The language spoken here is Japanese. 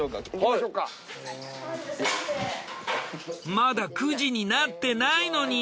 まだ９時になってないのに！